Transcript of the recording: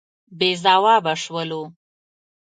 بې ځوابه شولو.